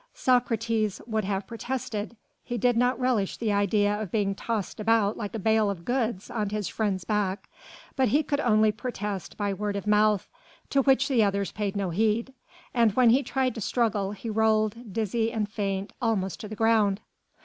Socrates would have protested. He did not relish the idea of being tossed about like a bale of goods on his friend's back. But he could only protest by word of mouth, to which the others paid no heed; and when he tried to struggle he rolled, dizzy and faint, almost to the ground.